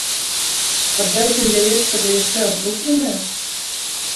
Аддаць ім яечка ды яшчэ аблупленае?